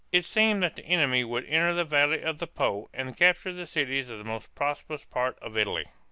It seemed that the enemy would enter the valley of the Po and capture the cities of the most prosperous part of Italy.